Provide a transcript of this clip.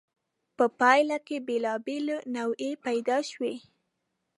په پایله کې بېلابېلې نوعې پیدا شوې.